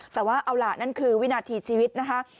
แต่ว่าเอาล่ะนั่นคือวินาทีชีวิตนะคะ